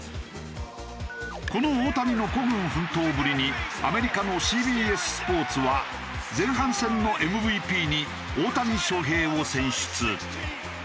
この大谷の孤軍奮闘ぶりにアメリカのＣＢＳスポーツは前半戦のＭＶＰに大谷翔平を選出。